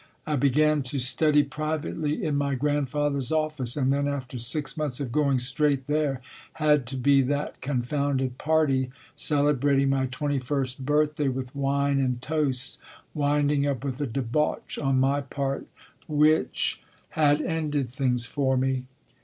I began to study privately in my grand father s office, and then after six months of going straight there had to be that confounded party cele brating my twenty first birthday with wine and toasts, winding up with a debauch on my part which Happy Valley had ended things for me.